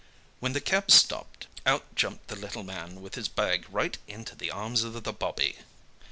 When the cab stopped out jumped the little man with his bag right into the arms of the 'bobby.'